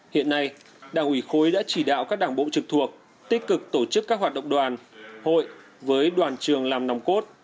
hiện nay đảng ủy khối đã chỉ đạo các đảng bộ trực thuộc tích cực tổ chức các hoạt động đoàn hội với đoàn trường làm nòng cốt